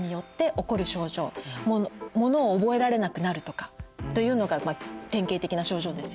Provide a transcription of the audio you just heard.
ものを覚えられなくなるとかというのが典型的な症状ですよね。